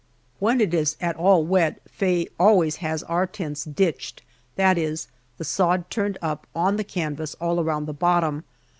When it is at all wet Faye always has our tents "ditched," that is, the sod turned up on the canvas all around the bottom.